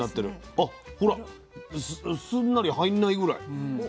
あほらすんなり入んないぐらい。